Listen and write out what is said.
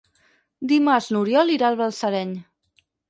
Dimarts n'Oriol irà a Balsareny.